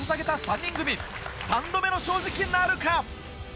３度目の正直なるか？